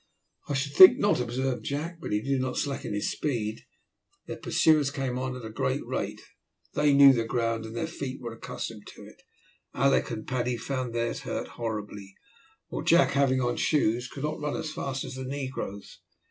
"I should think not," observed Jack, but he did not slacken his speed. Their pursuers came on at a great rate. They knew the ground and their feet were accustomed to it. Alick and Paddy found theirs hurt horribly, while Jack, having on shoes, could not run as fast as the negroes.